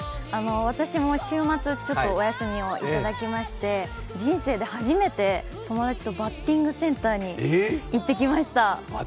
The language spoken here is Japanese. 私も週末、ちょっとお休みをいただきまして、人生で初めて、友達とバッティングセンターに行ってきました。